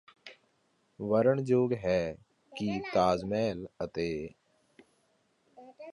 ਵਰਨਣਯੋਗ ਹੈ ਕਿ ਤਾਜ ਮਹੱਲ ਅਤੇ